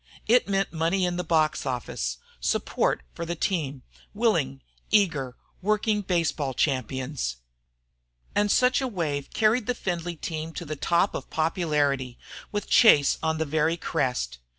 It meant money in the box office, support for the team, willing, eager, working baseball champions. And such a wave carried the Findlay team to the top of popularity, with Chase on the very crest.